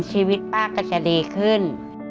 ชีวิตป้าก็จะดีขึ้น